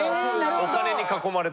お金に囲まれて。